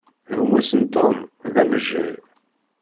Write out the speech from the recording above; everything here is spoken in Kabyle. Gma-s n Tom, d amejjay.